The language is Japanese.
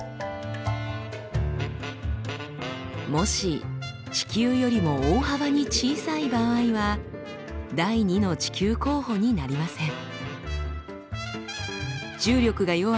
もし地球よりも大幅に小さい場合は第２の地球候補になりません。